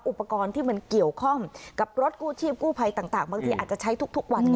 อุปกรณ์ที่มันเกี่ยวข้องกับรถกู้ชีพกู้ภัยต่างบางทีอาจจะใช้ทุกวัน